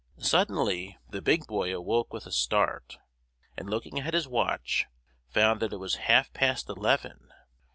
Suddenly the Big Boy awoke with a start, and looking at his watch, found that it was half past eleven.